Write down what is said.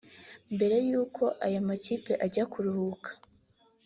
Mbere y’uko aya makipe ajya kuruhuka